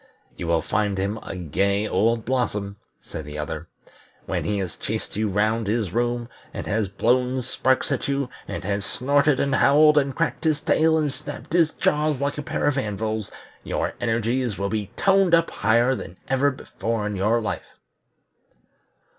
"You will find him a gay old blossom," said the other. "When he has chased you round his room, and has blown sparks at you, and has snorted and howled, and cracked his tail, and snapped his jaws like a pair of anvils, your energies will be toned up higher than ever before in your life."